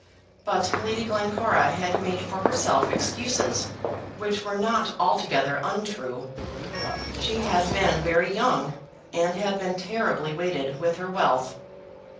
But Lady Glencora had made for herself excuses which were not altogether untrue. She had been very young, and had been terribly weighted with her wealth.